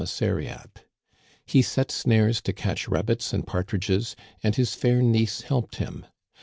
* missariat. He set snares to catch rabbits and partridges, and his fair niece helped him.